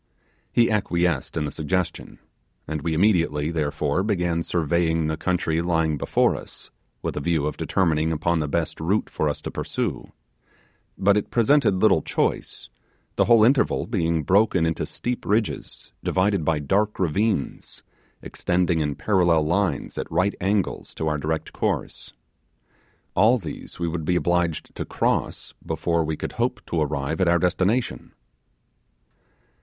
He acquiesced in the suggestion; and we immediately, therefore, began surveying the country lying before us, with a view of determining upon the best route for us to pursue; but it presented little choice, the whole interval being broken into steep ridges, divided by dark ravines, extending in parallel lines at right angles to our direct course. All these we would be obliged to cross before we could hope to arrive at our destination.